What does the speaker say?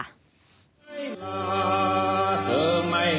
ศิลปินทฤษฎี